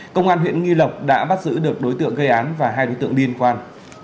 công an huyện nghi lộc đã bắt giữ được đối tượng gây án và hai đối tượng liên quan